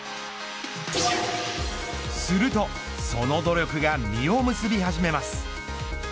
するとその努力が実を結び始めます。